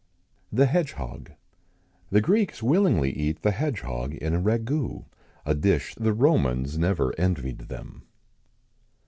THE HEDGEHOG. The Greeks willingly eat the hedgehog[XIX 110] in a ragoût a dish the Romans never envied them.